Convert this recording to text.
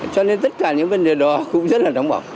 cho nên tất cả những vấn đề đó cũng rất là nóng bỏng